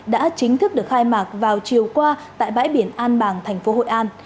đã chính thức được khai mạc vào chiều qua tại bãi biển an bàng tp hội an